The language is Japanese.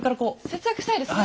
節約したいですね。